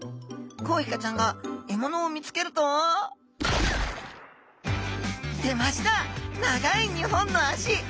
コウイカちゃんが獲物を見つけると出ました長い２本の足！